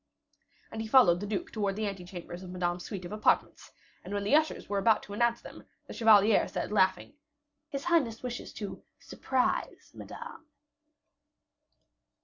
And he followed the duke towards the ante chambers of Madame's suite of apartments, and when the ushers were about to announce them, the chevalier said, laughing, "His highness wishes to surprise Madame."